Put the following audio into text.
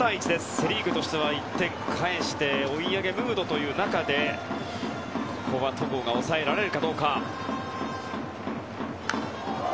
セ・リーグとしては１点返して追い上げムードという中でここは戸郷が抑えられるか。